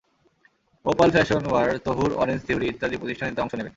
Opal fashion wear, Tahur, Orange Theory ইত্যাদি প্রতিষ্ঠান এতে অংশ নেবে।